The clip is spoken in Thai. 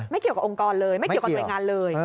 เกี่ยวกับองค์กรเลยไม่เกี่ยวกับหน่วยงานเลย